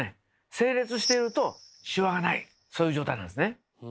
整列しているとシワがないそういう状態なんですね。